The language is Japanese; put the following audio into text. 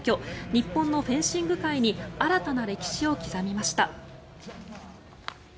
日本のフェンシング界に新たな歴史を刻みました。